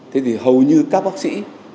thế thì hầu như các bác sĩ